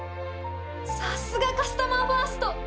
さすがカスタマーファースト！